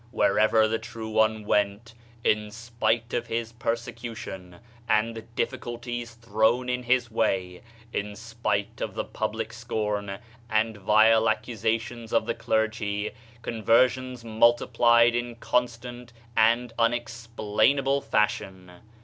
Wherever the True One went, in spite of his persecution, and the diffi culties thrown in his way, in spite of the public scorn and vile accusations of the clergy, con versions multiplied in constant and unexplain able fashion.